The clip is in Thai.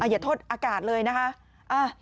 อย่าโทษอากาศเลยนะคะ